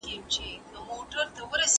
هغه د پښتنو په زړونو کې د تل لپاره پاتې شو.